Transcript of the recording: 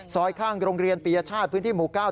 ซอยข้างโรงเรียนปิญญาชาติพื้นที่หมูก้าว